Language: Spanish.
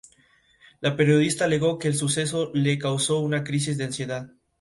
La periodista alegó que el suceso le causó una crisis de ansiedad.